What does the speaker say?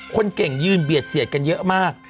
คนเก่งยืนเบียดเสียดกันเยอะมาก